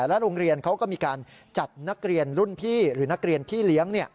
และโรงเรียนเขาก็มีการจัดนักเรียนรุ่นพี่หรือนักเรียนพี่เลี้ยง